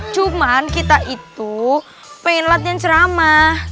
cuman kita itu pengen latihan ceramah